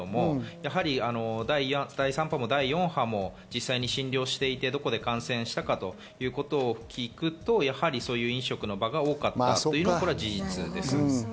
やはり第３波も第４波も実際に診療していて、どこで感染したかということを聞くと、やはり飲食の場が多かったというのは事実です。